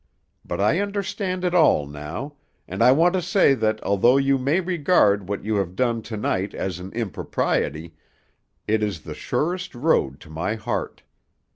But I understand it all now, and I want to say that although you may regard what you have done to night as an impropriety, it is the surest road to my heart.